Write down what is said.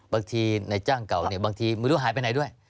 บางทีนายจ้างเก่าเนี่ยบางทีไม่รู้หายไปไหนด้วย